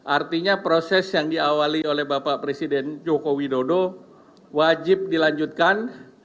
artinya proses yang diawali oleh bapak presiden joko widodo wajib dilanjutkan